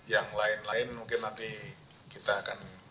yang lain lain mungkin nanti kita akan